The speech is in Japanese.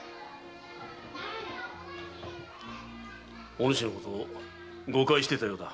お主のことを誤解していたようだ。